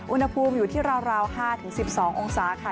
อุณหภูมิอยู่ที่ราว๕๑๒องศาค่ะ